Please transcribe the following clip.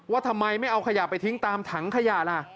ทำไมไม่เอาขยะไปทิ้งตามถังขยะล่ะ